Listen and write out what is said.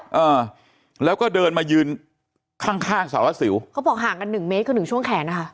อ่าแล้วก็เดินมายืนข้างข้างสารวัสสิวเขาบอกห่างกันหนึ่งเมตรคือหนึ่งช่วงแขนนะคะ